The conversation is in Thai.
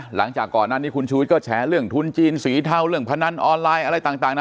หลังจากก่อนหน้านี้คุณชูวิทยก็แฉเรื่องทุนจีนสีเทาเรื่องพนันออนไลน์อะไรต่างนะ